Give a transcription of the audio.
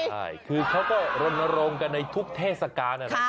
ใช่คือเขาก็รณรงกันในทุกเทศการ